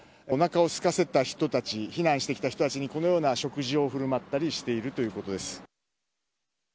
お腹をすかせた人たち避難してきた人たちにこのような食事を振る舞ったりしているそうです。